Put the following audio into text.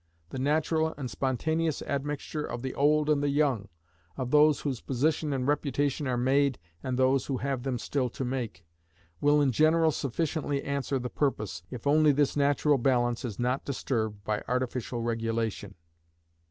The natural and spontaneous admixture of the old and the young, of those whose position and reputation are made and those who have them still to make, will in general sufficiently answer the purpose, if only this natural balance is not disturbed by artificial regulation.